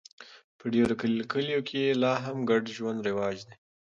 په ډېرو کلیو کې لا هم ګډ ژوند رواج دی.